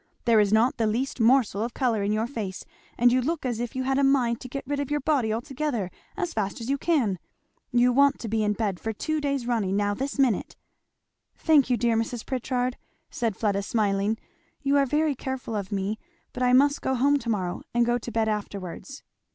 There is not the least morsel of colour in your face, and you look as if you had a mind to get rid of your body altogether as fast as you can! You want to be in bed for two days running, now this minute." "Thank you, dear Mrs. Pritchard," said Fleda smiling; "you are very careful of me; but I must go home to morrow, and go to bed afterwards."